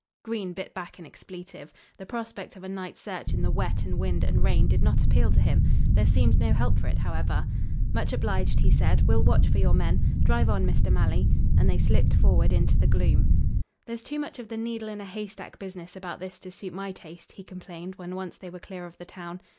Green bit back an expletive. The prospect of a night's search in the wet and wind and rain did not appeal to him. There seemed no help for it, however. "Much obliged," he said. "We'll watch for your men. Drive on, Mr. Malley." And they slipped forward into the gloom. "There's too much of the needle in a haystack business about this to suit my taste," he complained when once they were clear of the town.